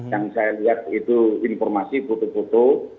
yang saya lihat itu informasi butuh butuh